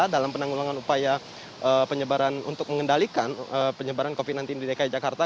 dalam penanggulangan upaya penyebaran untuk mengendalikan penyebaran covid sembilan belas di dki jakarta